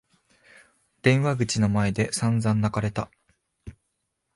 電話口の前で散々泣かれた。